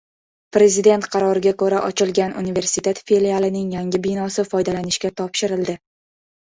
Prezident qaroriga ko‘ra ochilgan universitet filialining yangi binosi foydalanishga topshirildi